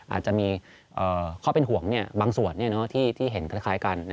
อาจจะมีข้อเป็นห่วงบางส่วนที่เห็นคล้ายกัน